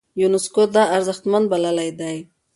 يونسکو دا ارزښتمن بللی دی.